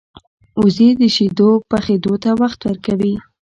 وزې د شیدو پخېدو ته وخت ورکوي